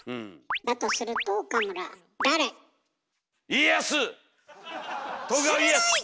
だとすると岡村鋭い！